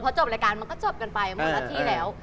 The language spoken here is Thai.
จบรายการมันก็จบกันไปหมดละที่แล้ว